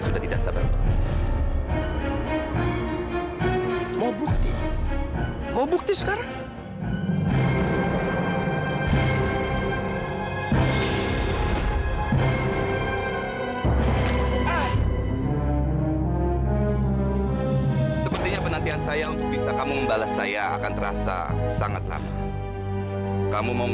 sampai jumpa di video selanjutnya